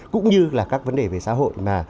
cũng như là các vấn đề về xã hội mà